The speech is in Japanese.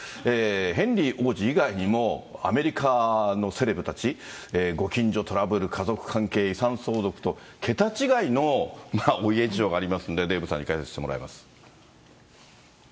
ヘンリー王子以外にも、アメリカのセレブたち、ご近所トラブル、家族関係、遺産相続と、桁違いのお家事情がありますんで、デーブさんに解説してもらいます。